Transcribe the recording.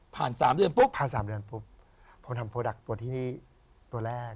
๓เดือนปุ๊บผ่าน๓เดือนปุ๊บพอทำโปรดักต์ตัวที่นี่ตัวแรก